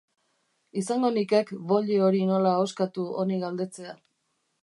Izango nikek Voglio hori nola ahoskatu honi galdetzea.